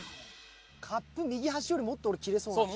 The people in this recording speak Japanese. カップ右端よりもっと俺きれそう。